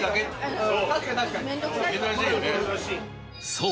そう！